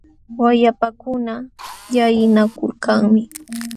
Wayapakuna llallinakulkanmi.